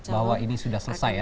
bahwa ini sudah selesai ya